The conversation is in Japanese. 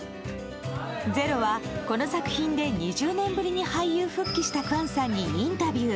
「ｚｅｒｏ」はこの作品で２０年ぶりに俳優復帰したクァンさんにインタビュー。